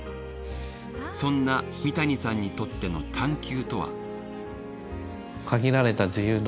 そんな三谷さんにとっての探究とは？